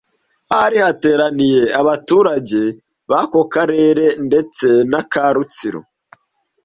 ahari hateraniye abaturage b’ako karere ndetse n’aka Rutsiro